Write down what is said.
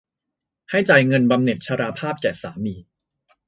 ให้จ่ายเงินบำเหน็จชราภาพแก่สามี